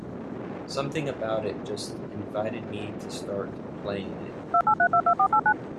Something about it just invited me to start playing it.